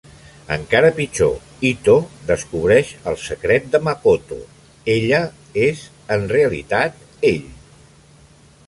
Encara pitjor, Ito descobreix el secret de Makoto: "ella" és en realitat "ell".